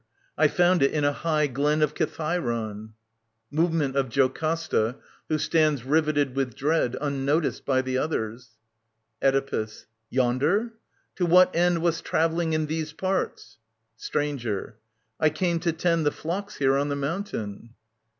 I found it in a high Glen of Kithairon. [Movement of Jocasta, who standi riveted \ with dread^ unnoticed by the others. Oedipus. Yonder ? To what end Wast travelling in these parts ? Stranger. I came to tend The flocks here on the moimtain.